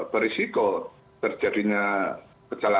berisiko terjadinya kecelakaan